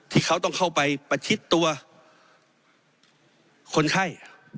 ที่เขาต้องเข้าไปประชิดตัวคนไข้